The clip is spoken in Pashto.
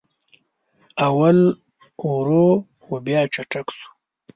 اول ورو و بیا چټک سو